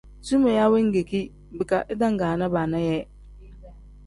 Sumeeya wengeki bika idangaana baana yee.